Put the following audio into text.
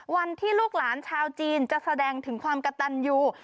ลูกหลานชาวจีนจะแสดงถึงความกระตันยู